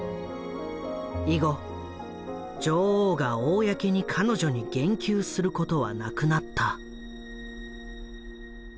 以後女王が公に彼女に言及することはなくなった。